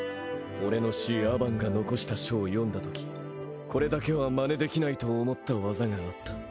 俺の師アバンが残した書を読んだときこれだけは真似できないと思った技があった。